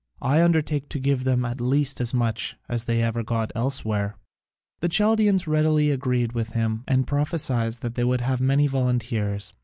I undertake to give them at least as much as they ever got elsewhere." The Chaldaeans readily agreed with him and prophesied that he would have many volunteers.